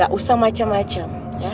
gak usah macem macem